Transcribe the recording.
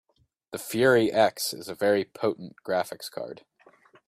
The Fury X is a very potent graphics card.